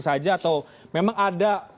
saja atau memang ada